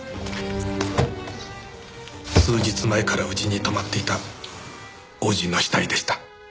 数日前から家に泊まっていた叔父の死体でした。